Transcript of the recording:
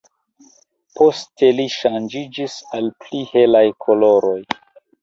Poste li ŝanĝiĝis al pli helaj koloroj.